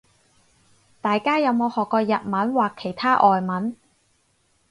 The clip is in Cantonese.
大家有冇學過日文或其他外文